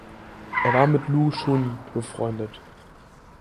Er war mit Lu Xun befreundet.